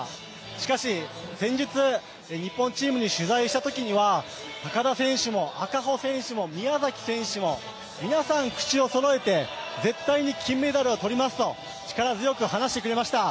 しかし、前日、日本チームに取材したときには高田選手も赤穂選手も宮崎選手も皆さん口をそろえて、絶対に金メダルを取りますと力強く話してくれました。